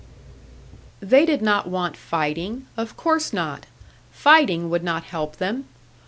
They did not want fighting of course not! Fighting would not help them!